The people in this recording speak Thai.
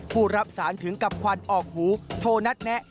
ผู้รับสารถึงกับควันออกหูโทรนัดแนะ